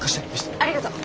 ありがと。